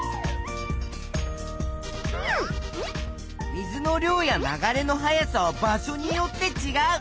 水の量や流れの速さは場所によってちがう。